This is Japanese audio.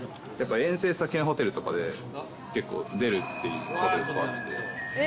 遠征先のホテルとかで結構出るっていうホテルがあって。